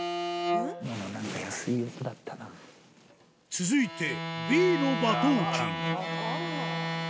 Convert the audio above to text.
続いて Ｂ の馬頭琴